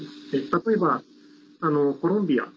例えば、コロンビア。